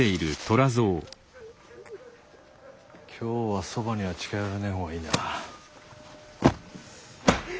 今日はそばには近寄らねえほうがいいな。